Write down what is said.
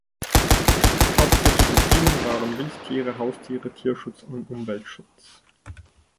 Hauptsächliche Themen waren Wildtiere, Haustiere, Tierschutz und Umweltschutz.